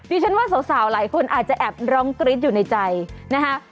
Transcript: ฉันว่าสาวหลายคนอาจจะแอบร้องกรี๊ดอยู่ในใจนะคะ